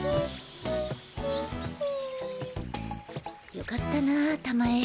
よかったなたまえ。